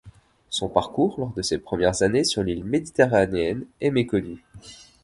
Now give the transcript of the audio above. Son parcours lors de ses premières années sur l'île méditerranéenne est méconnu.